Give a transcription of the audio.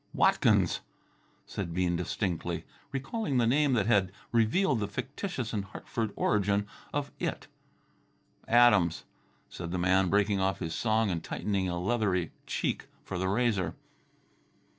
"Watkins," said Bean distinctly, recalling the name that had revealed the fictitious and Hartford origin of It. "Adams," said the man, breaking off his song and tightening a leathery cheek for the razor.